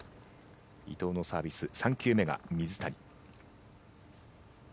伊藤のサービス、３球目が水谷。